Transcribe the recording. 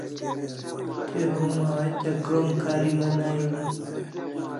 Te homa hatya krom kariman aini